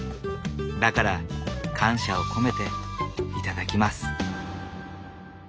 だから感謝を込めて頂きます。